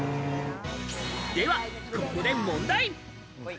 では、ここで問題。